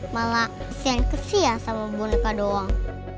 malah kesian kesian ya sama boneka doang